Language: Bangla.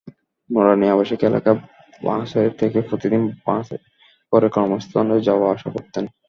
নূরানী আবাসিক এলাকার বাসা থেকে প্রতিদিন বাসে করে কর্মস্থলে যাওয়া-আসা করতেন।